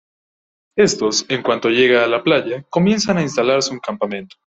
Éstos, en cuanto llegan a la playa comienzan a instalar su campamento.